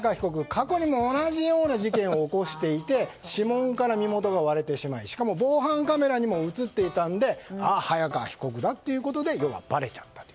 過去にも同じような事件を起こしていて指紋から身元が割れてしまいしかも防犯カメラにも映っていたので早川被告だということで要は、ばれちゃった。